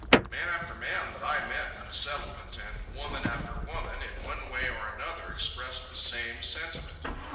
Man after man that I met in the Settlement, and woman after woman, in one way or another expressed the same sentiment.